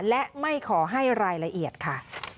และไม่ขอให้รายละเอียดค่ะ